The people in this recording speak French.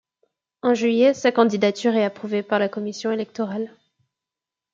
En juillet, sa candidature est approuvée par la commission électorale.